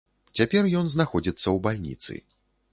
Цяпер ён знаходзіцца ў бальніцы.